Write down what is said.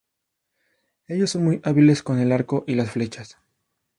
Ellos son muy hábiles con el arco y las flechas.